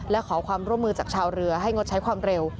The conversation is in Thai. และขอความร่วมมือจากชาวเรือให้งดใช้ความเร็ว